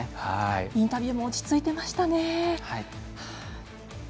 インタビューも落ち着いてましたね。